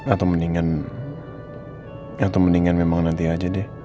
atau mendingan atau mendingan memang nanti aja deh